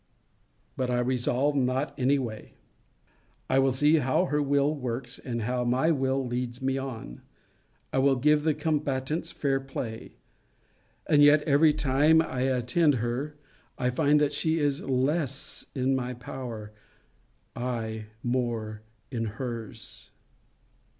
But I resolve not any way. I will see how her will works; and how my will leads me on. I will give the combatants fair play, and yet, every time I attend her, I find that she is less in my power; I more in hers.